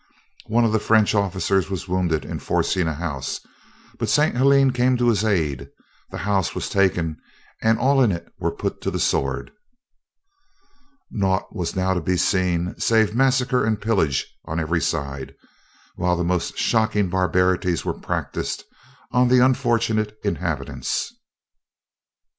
One of the French officers was wounded in forcing a house; but St. Helene came to his aid, the house was taken, and all in it were put to the sword. Naught was now to be seen, save massacre and pillage on every side, while the most shocking barbarities were practised on the unfortunate inhabitants.